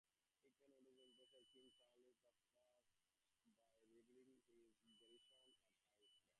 Hickman-Windsor impressed King Charles the First by relieving his garrison at High Ercall.